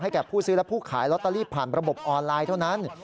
แก่ผู้ซื้อและผู้ขายลอตเตอรี่ผ่านระบบออนไลน์เท่านั้น